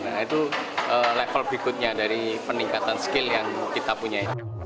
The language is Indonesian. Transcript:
nah itu level berikutnya dari peningkatan skill yang kita punya